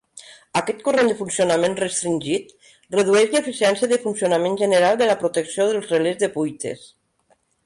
Aquest corrent de funcionament restringit redueix l'eficiència de funcionament general de la protecció dels relés de fuites.